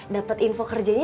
dapet info kerjanya